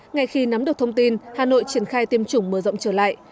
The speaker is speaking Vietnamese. ngay khi nắm được thông tin hà nội triển khai tiêm chủng mở rộng trở lại